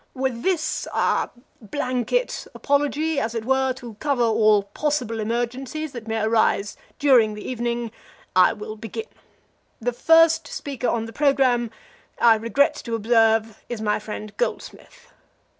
With this ah blanket apology, as it were, to cover all possible emergencies that may arise during the evening, I will begin. The first speaker on the programme, I regret to observe, is my friend Goldsmith.